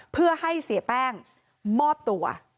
เพื่อให้เสียแป้งมอบตัว